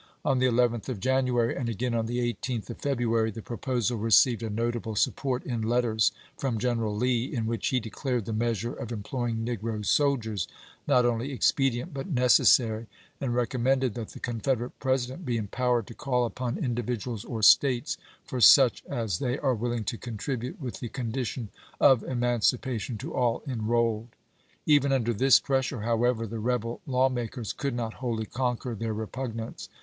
On the 11th of January, and again on the 18th of February, the proposal received a notable support in letters from Gen eral Lee, in which he declared the measure of eniploying negro soldiers " not only expedient but necessary," and recommended that the Confederate President be empowered " to call upon individuals or States for such as they are willing to contribute, with the condition of emancipation to all enrolled." Even under this pressure, however, the rebel law makers could not wholly conquer their repug nance.